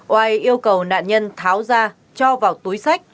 oai yêu cầu nạn nhân tháo ra cho vào túi sách